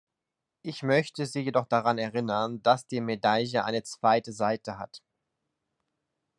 Ich möchte Sie jedoch daran erinnern, dass die Medaille eine zweite Seite hat.